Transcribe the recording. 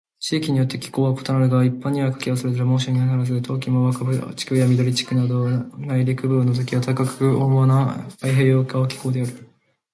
地域によって気候は異なるが、一般には夏季はそれほど猛暑にはならず、冬季も若葉区や緑区など内陸部を除き暖かくて温和な太平洋側気候である。